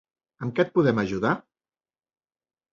Amb què et podem ajudar?